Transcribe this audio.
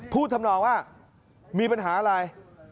ทำนองว่ามีปัญหาอะไร